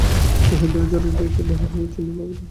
মহেন্দ্র ঝড়ের বেগে বাহির হইয়া চলিয়া গেল।